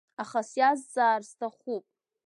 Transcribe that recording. Аха сиазҵаар сҭахуп.